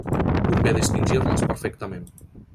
Convé distingir-les perfectament.